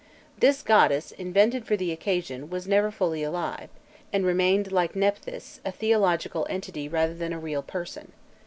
This goddess, invented for the occasion, was never fully alive, and remained, like Nephthys, a theological entity rather than a real person.